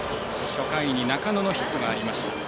初回に中野のヒットがありました。